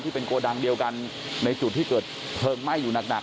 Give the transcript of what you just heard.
เป็นโกดังเดียวกันในจุดที่เกิดเพลิงไหม้อยู่หนัก